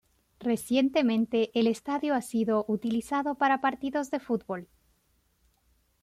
Recientemente el estadio ha sido utilizado para partidos de fútbol.